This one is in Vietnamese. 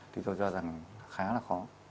thì tôi cho rằng khá là khó